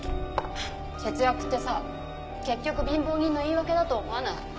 節約ってさ結局貧乏人の言い訳だと思わない？